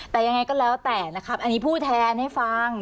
แต่ยังไงก็แล้วแต่นะครับอันนี้พูดแทนให้ฟัง